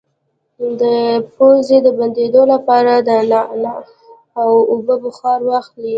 د پوزې د بندیدو لپاره د نعناع او اوبو بخار واخلئ